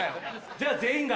じゃあ全員が。